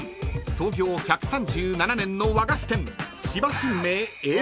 ［創業１３７年の和菓子店］